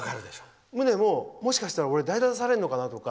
ムネも、もしかしたら俺、代打を出されるのかなと。